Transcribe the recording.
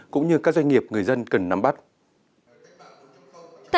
cũng như các doanh nghiệp người dân cần nắm bắt